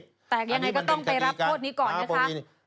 แต่ยังไงก็ต้องไปรับโทษนี้ก่อนนะคะ